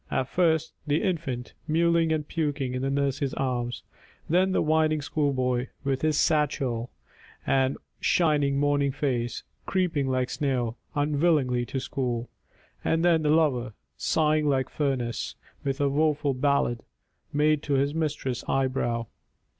At first the infant, Mewling and puking in the nurse's arms. And then the whining schoolboy, with his satchel, And shining morning face, creeping like snail Unwillingly to school. And then the lover, Sighing like furnace, with a woeful ballad Made to his mistress' eyebrow.